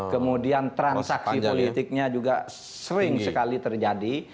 kemudian transaksi politiknya juga sering sekali terjadi